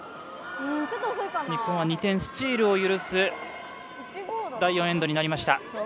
日本は２点スチールを許す第４エンドになりました。